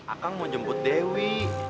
akang mau jemput dewi